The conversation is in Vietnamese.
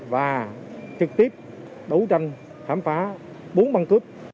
và trực tiếp đấu tranh khám phá bốn băng cướp